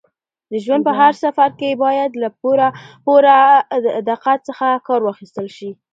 د ژوند په هر سفر کې باید له پوره دقت څخه کار واخیستل شي.